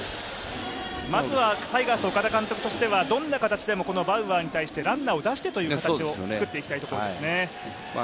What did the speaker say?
まずはタイガース・岡田監督としては、どんな形でもこのバウアーに対してランナーを出してという形を作っていきたいところですね。